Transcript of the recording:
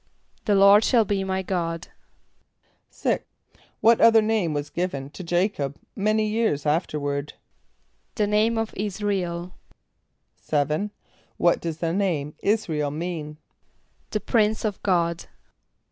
="The Lord shall be my God."= =6.= What other name was given to J[=a]´cob many years afterward? =The name of [)I][s+]´ra el.= =7.= What does the name [)I][s+]´ra el mean? =The prince of God.